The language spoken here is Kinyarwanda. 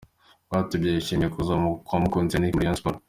Rwatubyaye yishimiye kuza kwa Mukunzi Yannick muri Rayon Sports.